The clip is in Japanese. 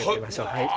はい。